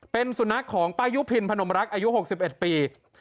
เป็นสุนัขของป้ายุพินพนมรักอายุ๖๑ปี